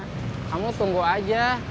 kamu tunggu aja